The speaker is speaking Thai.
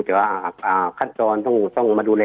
แต่ว่าขั้นตอนต้องมาดูแล